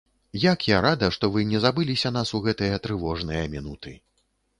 Як я рада, што вы не забыліся нас у гэтыя трывожныя мінуты.